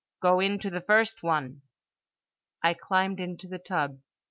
"Go into the first one." I climbed into the tub.